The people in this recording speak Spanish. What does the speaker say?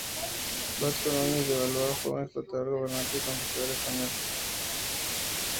Vasco Núñez de Balboa fue un explorador, gobernante y conquistador español.